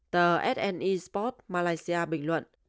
tờ s e sport malaysia bình luận